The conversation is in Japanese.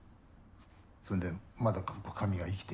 それでまだ神が生きていてね